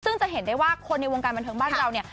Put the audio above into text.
ซึ่งจะเห็นได้ว่าคนในวงการบันเทิงบ้านเราเนี่ย